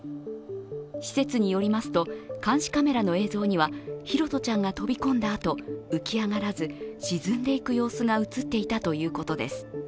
施設によりますと監視カメラの映像には、拓社ちゃんが飛び込んだあと浮き上がらず、沈んでいく様子が映っていたということです。